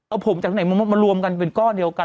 เอาผมจากไหนมารวมกันเป็นก้อนเดียวกัน